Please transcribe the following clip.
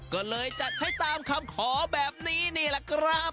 ก็เลยจัดให้ตามคำขอแบบนี้นี่แหละครับ